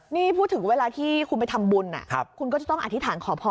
นี่พูดถึงเวลาที่คุณไปทำบุญคุณก็จะต้องอธิษฐานขอพร